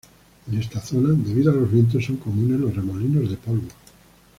En esta zona debido a los vientos, son comunes los remolinos de polvo.